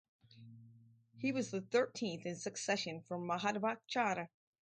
He was the thirteenth in succession from Madhvacharya.